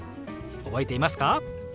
覚えていますか？